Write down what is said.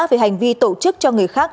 về hành vi tổ chức cho người khách